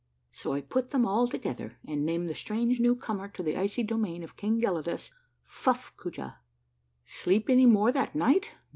so I put them all together and named the strange new comer to the icy domain of King Gelidus — F uffcoojah I Sleep any more that night?